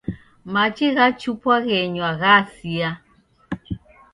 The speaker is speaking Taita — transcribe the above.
Machi gha chupa ghenywa ghasia.